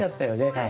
はい。